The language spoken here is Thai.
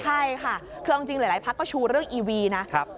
ใช่ค่ะคือเอาจริงหลายพักก็ชูเรื่องอีวีนะ